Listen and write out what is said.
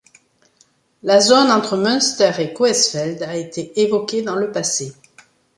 La zone entre Münster et Coesfeld a été évoquée dans le passé.